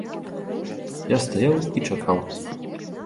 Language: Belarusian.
Я стаяў і чакаў.